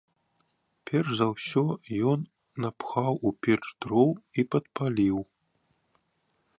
Перш за ўсё ён напхаў у печ дроў і падпаліў.